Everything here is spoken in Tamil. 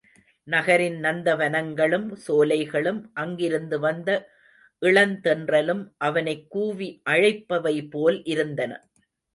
நகரின் நந்தவனங்களும், சோலைகளும், அங்கிருந்து வந்த இளந்தென்றலும் அவனைக் கூவி அழைப்பவை போல் இருந்தன.